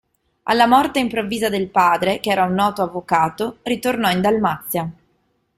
Alla morte improvvisa del padre, che era un noto avvocato, ritornò in Dalmazia.